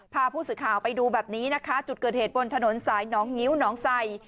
พาผู้สื่อข่าวไปดูแบบนี้นะคะจุดเกิดเหตุบนถนนสายหนองงิ้วน้องใส่